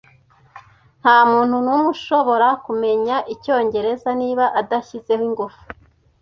Ntamuntu numwe ushobora kumenya icyongereza niba adashyizeho ingufu.